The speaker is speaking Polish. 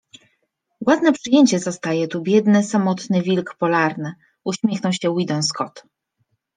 Ładne przyjęcie zastaje tu biedny, samotny wilk polarny uśmiechnął się Weedon Scott